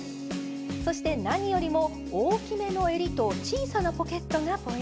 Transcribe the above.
そして何よりも大きめのえりと小さなポケットがポイントです。